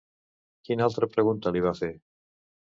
Quina altra pregunta li va fer?